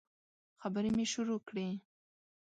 خبري مي شروع کړې !